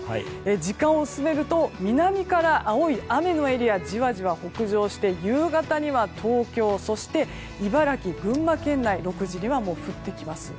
時間を進めると南から青い雨のエリアがじわじわ北上して夕方には東京、茨城、群馬県内で６時には降ってきます。